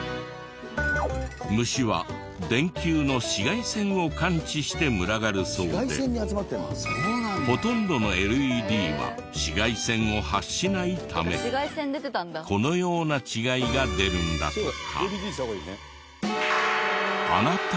虫は電球の紫外線を感知して群がるそうでほとんどのＬＥＤは紫外線を発しないためこのような違いが出るんだとか。